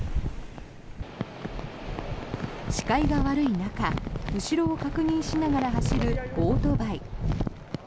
視界が悪い中後ろを確認しながら走るオートバイ。